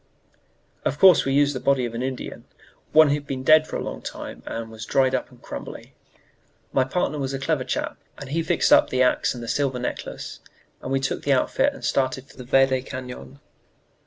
Of course we used the body of an Indian, one who had been dead for a long time and was dried up and crumbly. My partner was a clever chap, and he fixed up the axe and the silver necklace, and we took the outfit and started for the Verde Cañon.